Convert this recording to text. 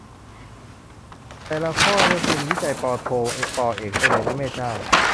แต่ละข้อนี่เป็นวิจัยปโท ปเอกได้เลยนะ แม่เจ้า